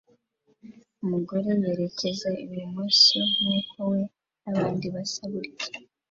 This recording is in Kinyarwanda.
Umugore yerekeza ibumoso nkuko we nabandi basa gutya